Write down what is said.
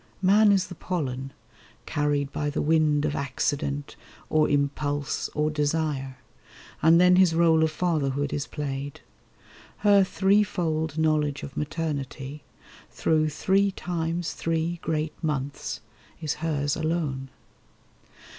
Man is the pollen, carried by the wind Of accident, or impulse, or desire; And then his rôle of fatherhood is played. Her threefold knowledge of maternity, Through three times three great months, is hers alone.